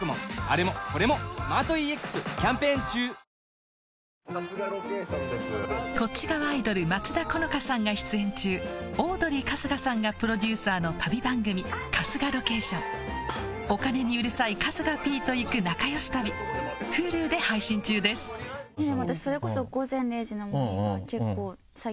帰れば「金麦」こっち側アイドル松田好花さんが出演中オードリー・春日さんがプロデューサーの旅番組『春日ロケーション』お金にうるさい春日Ｐと行く仲良し旅Ｈｕｌｕで配信中です編集収録だもんね。